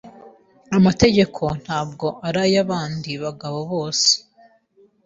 amategeko ntabwo arayabandi bagabo bose